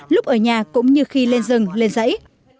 lúc ở nhà cũng như khi lên rừng lên dãy